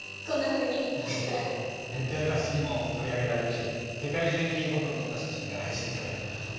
ネットやざっしにも取り上げられるし世界中にぼくのとった写真がはいしんされる。